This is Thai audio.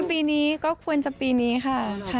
ปีนี้ก็ควรจะปีนี้ค่ะ